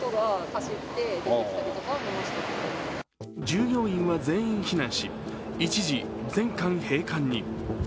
従業員は全員避難し、一時全館閉館に。